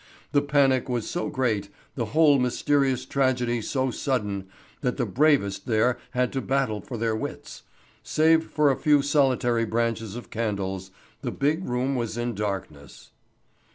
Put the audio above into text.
The panic was so great, the whole mysterious tragedy so sudden, that the bravest there had to battle for their wits. Save for a few solitary branches of candles, the big room was in darkness.